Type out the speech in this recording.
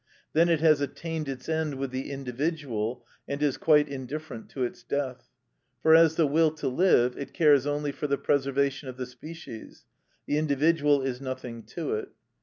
Then it has attained its end with the individual, and is quite indifferent to its death, for, as the will to live, it cares only for the preservation of the species, the individual is nothing to it.